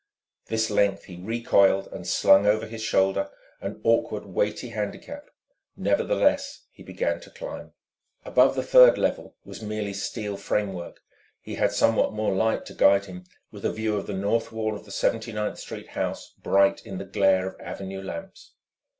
This length he re coiled and slung over his shoulder: an awkward, weighty handicap. Nevertheless he began to climb. Above the third level there was merely steel framework; he had somewhat more light to guide him, with a view of the north wall of the Seventy ninth Street house, bright in the glare of avenue lamps.